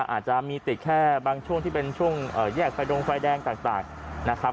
อาจจะมีติดแค่บางช่วงที่เป็นช่วงแยกไฟดงไฟแดงต่างนะครับ